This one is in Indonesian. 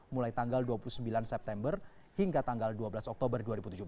mulai tanggal dua puluh sembilan september hingga tanggal dua belas oktober dua ribu tujuh belas